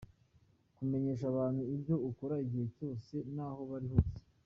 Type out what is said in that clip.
Kumenyesha abantu ibyo ukora igihe cyose n’aho bari hose.